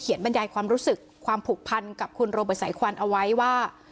บรรยายความรู้สึกความผูกพันกับคุณโรเบิร์ตสายควันเอาไว้ว่า